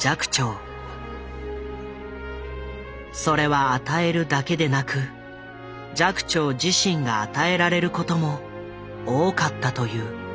それは与えるだけでなく寂聴自身が与えられることも多かったという。